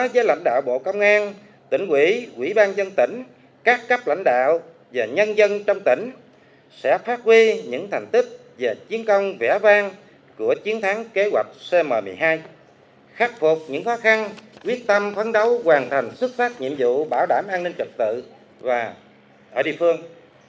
đối với lãnh đạo bộ công an tỉnh quỹ quỹ ban dân tỉnh các cấp lãnh đạo và nhân dân trong tỉnh sẽ phát huy những thành tích và chiến công vẻ vang của chiến thắng kế hoạch cm một mươi hai khắc phục những khó khăn quyết tâm phấn đấu hoàn thành xuất phát nhiệm vụ bảo đảm an ninh trật tự và ở địa phương